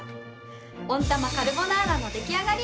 温玉カルボナーラの出来上がり！